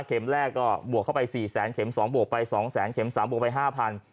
เข็มแรกก็บวกเข้าไปสี่แสนเข็มสองบวกไปสองแสนเข็มสามบวกไปห้าพัน